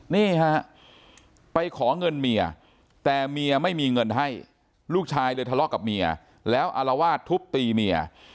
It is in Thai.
นี่ฮะไปขอเงินเมียแต่เมียไม่มีเงินให้ลูกชายเลยทะเลาะกับเมียแล้วอารวาสทุบตีเมีย